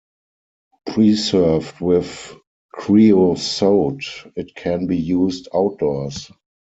Preserved with creosote it can be used outdoors.